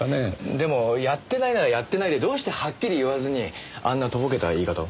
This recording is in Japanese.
でもやってないならやってないでどうしてはっきり言わずにあんなとぼけた言い方を？